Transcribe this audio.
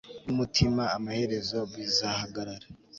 n'umutima, amaherezo, bizahagarara